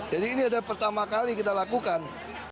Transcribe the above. jadi ini adalah pertama kali kita lakukan